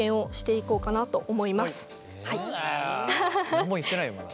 何も言ってないよまだ。